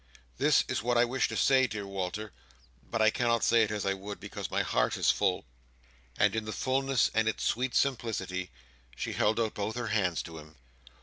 This is what I wished to say, dear Walter, but I cannot say it as I would, because my heart is full." And in its fulness and its sweet simplicity, she held out both her hands to him.